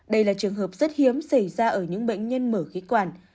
đây là trường hợp rất hiếm xảy ra ở những bệnh nhân mở khí quản